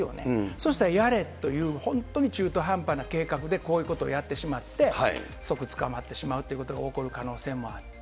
そしたらやれという、本当に中途半端な計画で、こういうことをやってしまって、即捕まってしまうということが起こる可能性もあって。